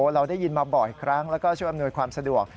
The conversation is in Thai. เราได้ยินมาบ่อยครั้งแล้วก็ช่วยอำนวยความสะดวก